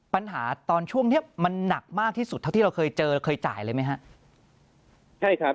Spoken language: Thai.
ปัญหาตอนช่วงเนี้ยมันหนักมากที่สุดเท่าที่เราเคยเจอเคยจ่ายเลยไหมฮะใช่ครับ